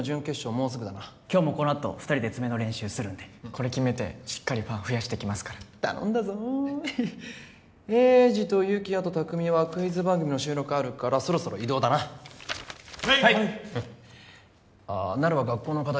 もうすぐだな今日もこのあと二人で詰めの練習するんでこれ決めてしっかりファン増やしてきますから頼んだぞはい栄治と有起哉と巧はクイズ番組の収録あるからそろそろ移動だなはいっあーなるは学校の課題